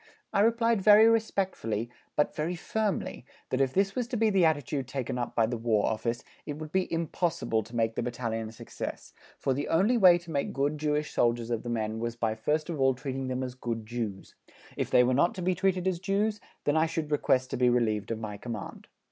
I replied very respectfully, but very firmly, that if this was to be the attitude taken up by the War Office, it would be impossible to make the Battalion a success, for the only way to make good Jewish soldiers of the men was by first of all treating them as good Jews; if they were not to be treated as Jews, then I should request to be relieved of my command.